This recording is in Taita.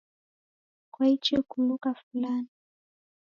Kwaichi kuluka fulana?